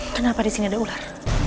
kenapa di sini ada ular